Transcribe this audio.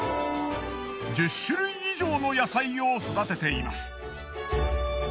１０種類以上の野菜を育てています。